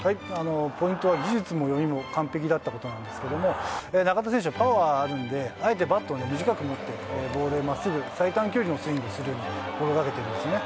ポイントは技術も読みも完璧だったことなんですが、中田選手はパワーがあるんで、あえてバットを短く持って、ボールへまっすぐ、最短距離のスイングをするように心がけているんですね。